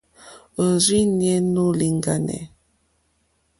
Òrzìɲɛ́ nóò lìŋɡáné.